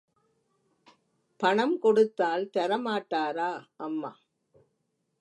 பணம் கொடுத்தால் தரமாட்டாரா அம்மா?